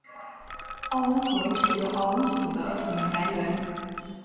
奥恩河是奥恩省的省名来源。